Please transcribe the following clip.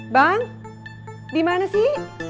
bang dimana sih